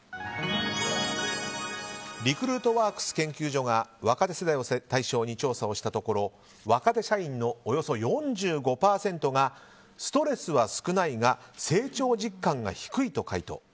リクルートワークス研究所が若手世代を対象に調査をしたところ若手社員の、およそ４５％がストレスは少ないが成長実感が低いと回答。